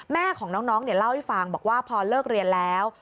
แม่ของน้องเล่าให้ฟังบอกว่าพอเลิกเรียนแล้ว